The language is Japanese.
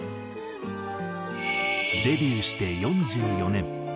デビューして４４年。